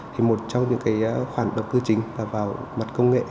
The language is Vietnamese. thì một trong những cái khoản đầu tư chính là vào mặt công nghệ